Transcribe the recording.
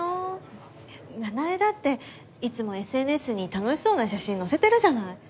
奈々江だっていつもＳＮＳに楽しそうな写真載せてるじゃない！